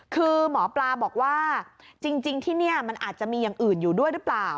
คือหมอปลาบอกว่าจริงที่นี่มันอาจจะมีอย่างอื่นอยู่ด้วยหรือเปล่า